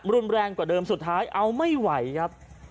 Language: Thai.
รุนแรงกว่าเดิมสุดท้ายเอาไม่ไหวครับ